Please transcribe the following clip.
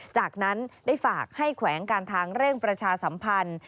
จากนั้นได้ฝากให้แขวงการทางเร่งประชาสัมพันธ์